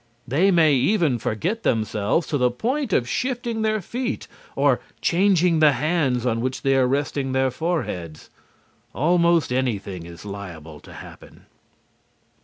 They may even forget themselves to the point of shifting their feet or changing the hands on which they are resting their foreheads. Almost anything is liable to happen.